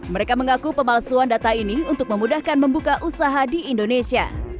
mereka mengaku pemalsuan data ini untuk memudahkan membuka usaha di indonesia